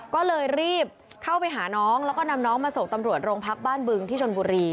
ก็เลยรีบเข้าไปหาน้องแล้วก็นำน้องมาส่งตำรวจโรงพักบ้านบึงที่ชนบุรี